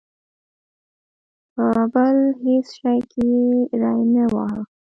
په بل هېڅ شي کې یې ری نه واهه.